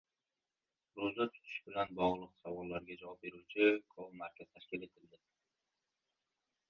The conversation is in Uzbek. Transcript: Ro‘za tutish bilan bog‘liq savollarga javob beruvchi koll-markaz tashkil etildi